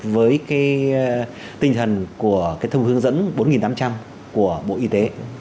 với cái tinh thần của cái thông hướng dẫn bốn nghìn tám trăm linh của bộ y tế